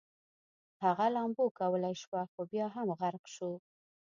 هغه لامبو کولی شوه خو بیا هم غرق شو